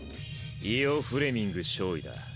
イオ・フレミング少尉だ。